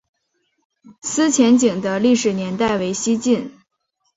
思前井的历史年代为西晋。